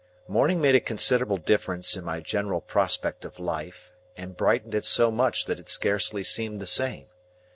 Morning made a considerable difference in my general prospect of Life, and brightened it so much that it scarcely seemed the same.